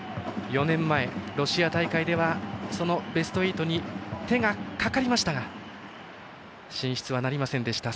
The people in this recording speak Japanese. ４年前、ロシア大会ではそのベスト８に手がかかりましたが進出はなりませんでした。